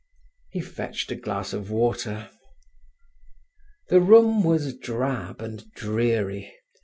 He fetched a glass of water. The room was drab and dreary.